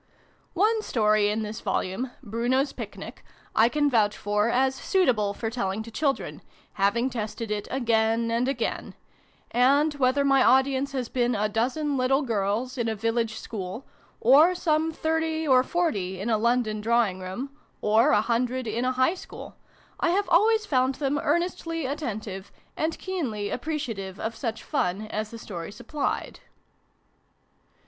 One story in this Volume ' Bruno's Picnic ' I can vouch for as suitable for telling to children, having tested it again and again ; and, whether my audience has been a dozen little girls in a village school, or some thirty or forty in a London drawing room, or a hundred in a High School, I have always found them earnestly attentive, and keenly appreci ative of such fun as the story supplied.